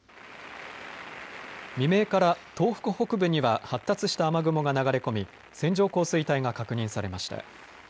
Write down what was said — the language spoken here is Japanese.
未明から東北北部には発達した雨雲が流れ込み線状降水帯が確認されました。